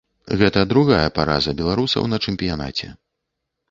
Гэта другая параза беларусаў на чэмпіянаце.